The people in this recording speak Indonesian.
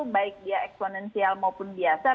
baik dia eksponensial maupun biasa